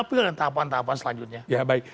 tapi ada tahapan tahapan selanjutnya